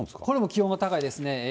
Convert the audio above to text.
これも気温は高いですね。